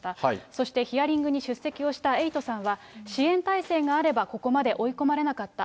そして、ヒアリングに出席したエイトさんは、支援体制があればここまで追い込まれなかった。